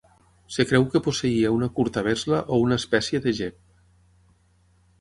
Es creu que posseïa una curta vés-la o una espècia de gep.